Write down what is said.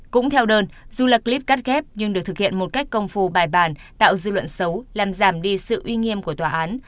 cũng theo đơn dù là clip cắt ghép nhưng được thực hiện một cách công phu bài bàn tạo dư luận xấu làm giảm đi sự uy nghiêm của tòa án